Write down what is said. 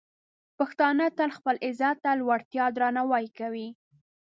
پښتانه تل خپل عزت ته د لوړتیا درناوی کوي.